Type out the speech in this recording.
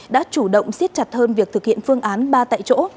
đã chủ động siết chặt hơn việc thực hiện phương án ba tại chỗ